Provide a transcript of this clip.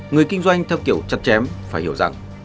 người kinh doanh theo kiểu chặt chém phải hiểu rằng